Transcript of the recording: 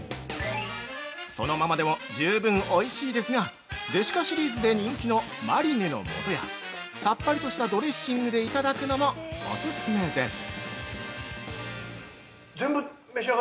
◆そのままでも十分おいしいですがデシカシリーズで人気の「マリネの素」やさっぱりとしたドレッシングでいただくのもオススメです。